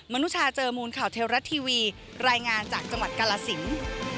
นุชาเจอมูลข่าวเทวรัฐทีวีรายงานจากจังหวัดกาลสิน